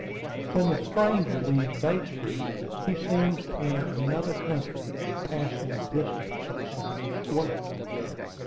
When the stranger leaves Bay Street he seems to enter another country in passing the distance of a single square.